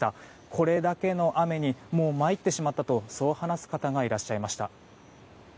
これだけの雨にもう参ってしまったとそう話す方がいらっしゃいました。